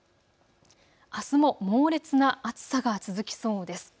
あすも猛烈な暑さが続きそうです。